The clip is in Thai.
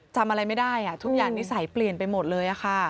จำอะไรไม่ได้ทุกอย่างนิสัยเปลี่ยนไปหมดเลย